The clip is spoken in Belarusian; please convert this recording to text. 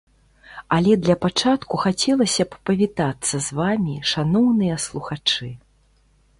Але для пачатку хацелася б павітацца з вамі, шаноўныя слухачы!